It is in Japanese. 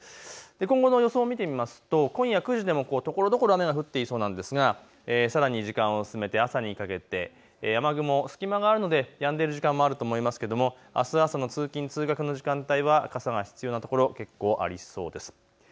今後の予想を見てみますと今夜９時でもところどころ雨が降っていそうなんですがさらに時間を進めて朝にかけて雨雲、隙間があるのでやんでいる時間もあると思いますけれどあす朝通勤通学の時間帯傘が必要なところ結構ありそうです。